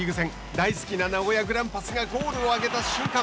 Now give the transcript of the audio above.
大好きな名古屋グランパスがゴールを挙げた瞬間。